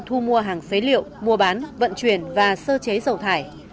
thu mua hàng phế liệu mua bán vận chuyển và sơ chế dầu thải